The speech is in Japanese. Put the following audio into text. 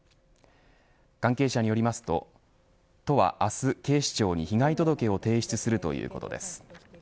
関係者によりますと都は明日、警視庁に被害届を提出するということです。